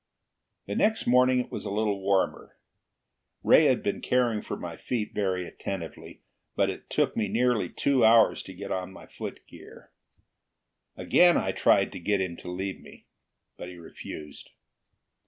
The next morning it was a little warmer. Ray had been caring for my feet very attentively, but it took me nearly two hours to get on my footgear. Again I tried to get him to leave me, but he refused.